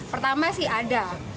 pertama sih ada